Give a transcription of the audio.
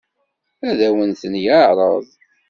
Ad awen-ten-yeɛṛeḍ?